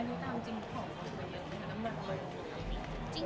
จริงน้ำหนักลงมันไม่ได้เยอะรอกจริง